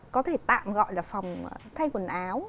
có thể tạm gọi là phòng thay quần áo